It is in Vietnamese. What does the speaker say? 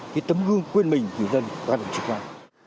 cái tấm gương quyền mình của dân qua đường trực quan